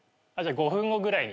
５分後ぐらいに。